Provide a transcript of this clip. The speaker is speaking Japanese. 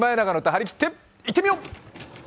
張り切っていってみよう！